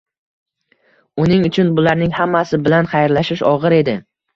Uning uchun bularning hammasi bilan xayrlashish og`ir edi